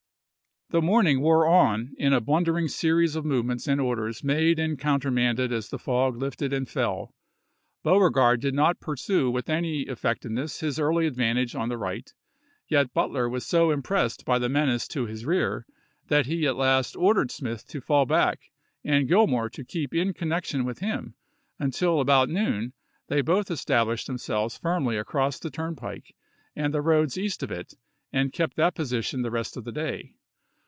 The morning wore on in a blundering series of movements and orders made and countermanded as the fog lifted and fell. Beauregard did not pur sue with any effectiveness his early advantage on the right ; yet Butler was so impressed by the menace to his rear, that he at last ordered Smith to fall back and Gillmore to keep in connection with him, until about noon they both established themselves firmly across the turnpike and the roads east of it, and kept that position the rest of the day.